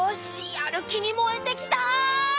やる気にもえてきた！